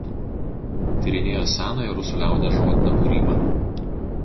Tyrinėjo senąją rusų liaudies žodinę kūrybą.